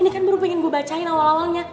ini kan baru pengen gue bacain awal awalnya